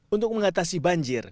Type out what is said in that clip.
untuk mengatasi banjir